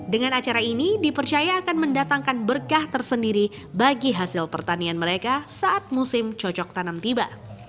dengan acara ini dipercaya akan mendatangkan berkah tersendiri bagi hasil pertanian mereka saat musim cocok tanam tiba